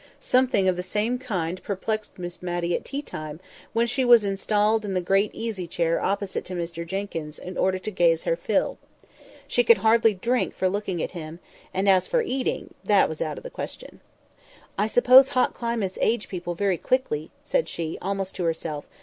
Something of the same kind perplexed Miss Matty at tea time, when she was installed in the great easy chair opposite to Mr Jenkyns in order to gaze her fill. She could hardly drink for looking at him, and as for eating, that was out of the question. "I suppose hot climates age people very quickly," said she, almost to herself.